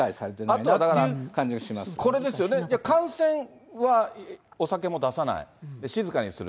あとはだから、これですよね、観戦はお酒も出さない、静かにする。